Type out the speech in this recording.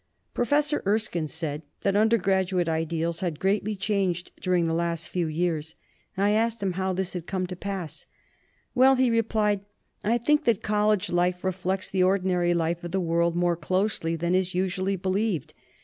Professor Erskine said that undergraduate ideals 200 LITERATURE IN COLLEGES had greatly changed during the last few years. I asked him how this had come to pass. "Well," he replied, "I think that college life reflects the ordinary life of the world more closely than is usually believed.